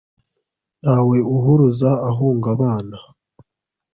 ntawe uhuruza ahunga abana